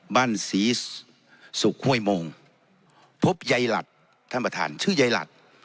บ้านศรีศุกร์ห้วยโมงพบยายหลัดท่านประธานชื่อใยหลัด